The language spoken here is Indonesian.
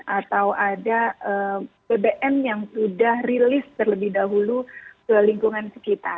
atau ada bbm yang sudah rilis terlebih dahulu ke lingkungan sekitar